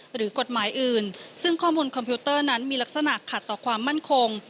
หรือกฎหมายอื่นซึ่งข้อมูลคอมพิวเตอร์นั้นมีลักษณะขัดต่อความมั่นคง